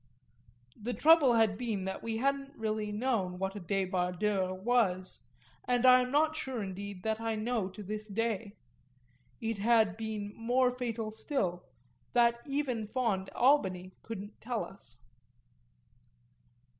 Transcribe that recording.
The trouble had been that we hadn't really known what a débardeur was, and I am not sure indeed that I know to this day. It had been more fatal still that even fond Albany couldn't tell us.